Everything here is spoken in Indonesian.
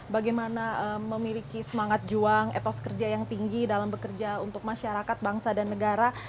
bagaimana memiliki semangat juang etos kerja yang tinggi dalam bekerja untuk masyarakat bangsa dan negara